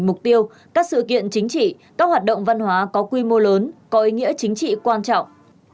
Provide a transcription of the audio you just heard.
mục tiêu các sự kiện chính trị các hoạt động văn hóa có quy mô lớn có ý nghĩa chính trị quan trọng